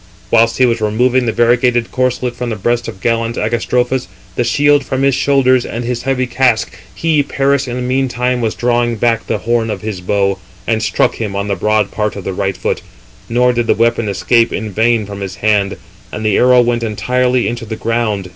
Whilst he was removing the variegated corslet from the breast of gallant Agastrophus, the shield from his shoulders, and his heavy casque, he (Paris) in the meantime was drawing back the horn of his bow, and struck him on the broad part of the right foot, nor did the weapon escape in vain from his hand; and the arrow went entirely into the ground.